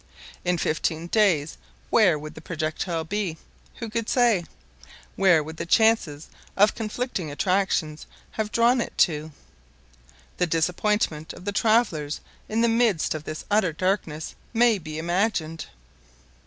In fifteen days where would the projectile be? Who could say? Where would the chances of conflicting attractions have drawn it to? The disappointment of the travelers in the midst of this utter darkness may be imagined.